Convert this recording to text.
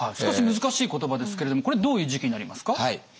少し難しい言葉ですけれどもこれどういう時期になりますか？